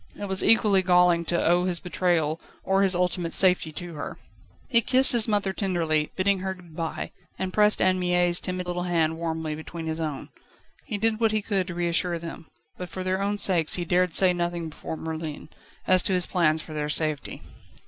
It was equally galling to owe his betrayal or his ultimate safety to her. He kissed his mother tenderly, bidding her good bye, and pressed Anne Mie's timid little hand warmly between his own. He did what he could to reassure them, but, for their own sakes, he dared say nothing before Merlin, as to his plans for their safety.